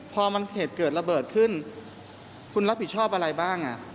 พอมันเหตุเกิดระเบิดขึ้นคุณรับผิดชอบอะไรบ้าง